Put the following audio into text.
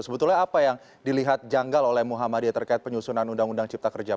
sebetulnya apa yang dilihat janggal oleh muhammadiyah terkait penyusunan undang undang cipta kerja